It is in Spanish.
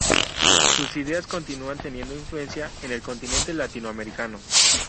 Sus ideas continúan teniendo influencia en el continente latinoamericano.